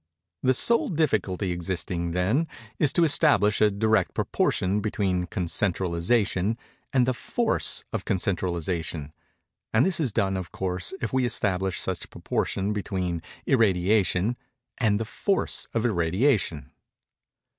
The sole difficulty existing, then, is to establish a direct proportion between "concentralization" and the force of concentralization; and this is done, of course, if we establish such proportion between "irradiation" and the force of irradiation.